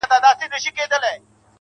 هره ورځ څو سطله اوبه اچوې_